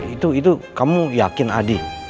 itu itu kamu yakin adik